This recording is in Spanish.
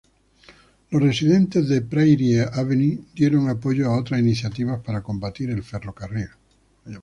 Los residentes de Prairie Avenue dieron apoyo a otras iniciativas para combatir el ferrocarril.